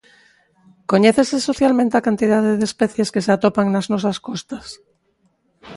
Coñécese socialmente a cantidade de especies que se atopan nas nosas costas?